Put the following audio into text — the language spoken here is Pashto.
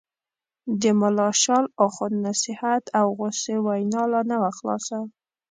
د ملا شال اخُند نصیحت او غوسې وینا لا نه وه خلاصه.